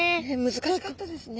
難しかったですね。